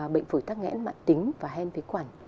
bệnh phủy tắc nghẽ mạng tính và hen phế quản